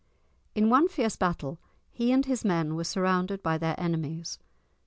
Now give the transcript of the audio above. In one fierce battle, he and his men were surrounded by their enemies.